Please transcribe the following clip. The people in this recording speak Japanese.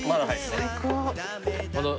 最高。